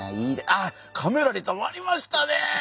あっカメラに止まりましたね！